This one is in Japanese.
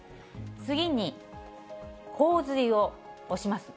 次に、洪水を押します。